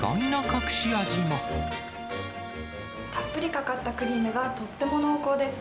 たっぷりかかったクリームがとっても濃厚です。